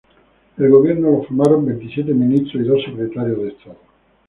El gobierno lo formaron veintisiete ministros y dos secretarios de estado.